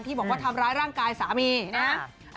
ที่บอกว่าทำร้ายร่างกายสามีนะครับ